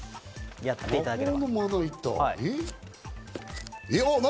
ちょっとやっていただければ。